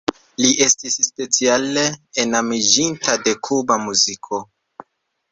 Li estis speciale enamiĝinta de Kuba muziko.